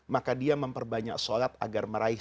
maka dia memperbanyak sholat agar meraih